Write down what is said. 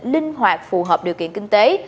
linh hoạt phù hợp điều kiện kinh tế